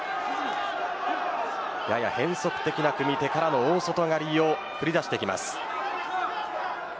やや変則的な組み手からの大外刈を繰り出してきます。